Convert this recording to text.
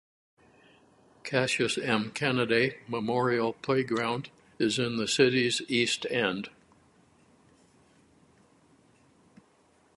Cassius M. Canaday Memorial Playground is in the city's east end.